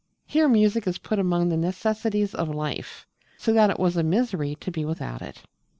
Here music is put among the necessaries of life, so that it was a misery to be without it.